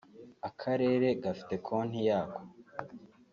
akarere gafite konti yako